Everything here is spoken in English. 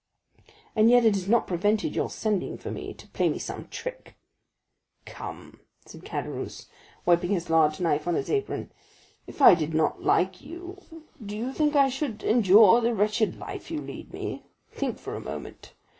"And yet it has not prevented your sending for me to play me some trick." "Come," said Caderousse, wiping his large knife on his apron, "if I did not like you, do you think I should endure the wretched life you lead me? Think for a moment.